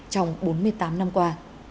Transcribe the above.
trong bốn mươi tám năm qua